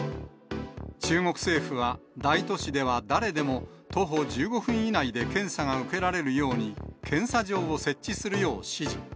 中国政府は、大都市では誰でも、徒歩１５分以内で検査が受けられるように、検査場を設置するよう指示。